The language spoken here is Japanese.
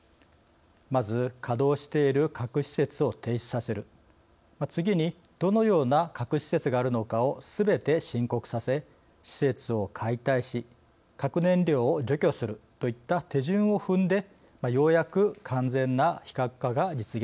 まず稼働している核施設を停止させる次にどのような核施設があるのかをすべて申告させ施設を解体し核燃料を除去するといった手順を踏んでようやく完全な非核化が実現するのです。